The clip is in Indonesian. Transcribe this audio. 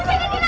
tuhan ke atas